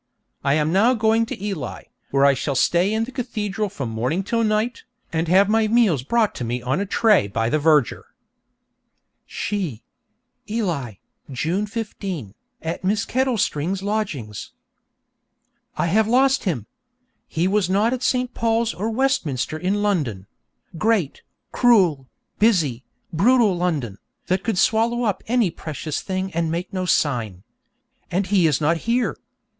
I am now going to Ely, where I shall stay in the cathedral from morning till night, and have my meals brought to me on a tray by the verger. She Ely, June 15, At Miss Kettlestring's lodgings. I have lost him! He was not at St. Paul's or Westminster in London great, cruel, busy, brutal London, that could swallow up any precious thing and make no sign. And he is not here!